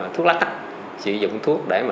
thuốc lắc sử dụng thuốc để lắc để nhảy